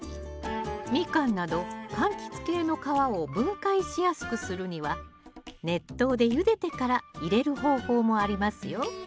ミカンなどかんきつ系の皮を分解しやすくするには熱湯でゆでてから入れる方法もありますよ